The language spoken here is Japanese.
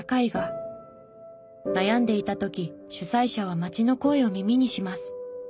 悩んでいた時主催者は町の声を耳にします。